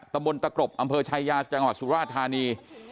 ตะบนตะกรบอำเภอชายาจังหวัดสุราธานี